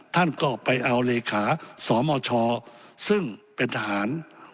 ท่านก็ไปเอาเลขาสมชซึ่งเป็นทหาร